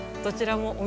どちらも。